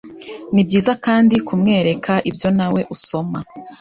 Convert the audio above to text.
Ni byiza kandi kumwereka ibyo nawe usoma